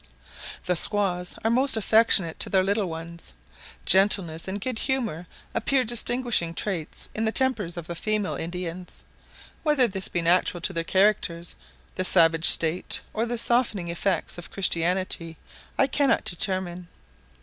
The squaws are most affectionate to their little ones. Gentleness and good humour appear distinguishing traits in the tempers of the female Indians; whether this be natural to their characters, the savage state, or the softening effects of Christianity, I cannot determine.